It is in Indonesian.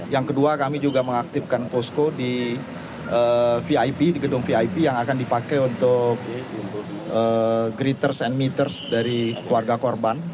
yang kedua kami juga mengaktifkan posko di vip di gedung vip yang akan dipakai untuk greters and meeters dari keluarga korban